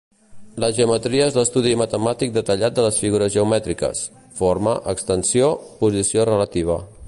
La geometria és l'estudi matemàtic detallat de les figures geomètriques: forma, extensió, posició relativa.